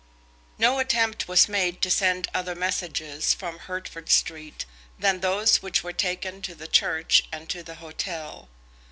No attempt was made to send other messages from Hertford Street than those which were taken to the church and to the hotel.